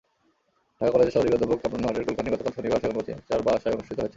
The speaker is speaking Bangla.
ঢাকা কলেজের সহযোগী অধ্যাপক কামরুন নাহারের কুলখানি গতকাল শনিবার সেগুনবাগিচার বাসায় অনুষ্ঠিত হয়েছে।